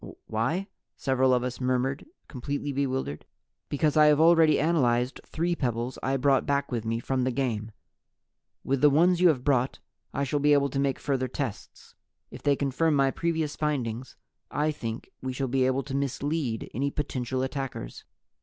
"Why?" several of us murmured, completely bewildered. "Because I have already analyzed three pebbles I brought back with me from the game. With the ones you have brought, I shall be able to make further tests. If they confirm my previous findings, I Think We shall be able to mislead any potential attackers.